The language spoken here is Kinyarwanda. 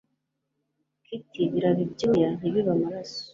kiti «birabe ibyuya ntibibe amaraso»